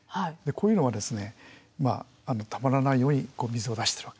こういうのはまあたまらないように水を出してる。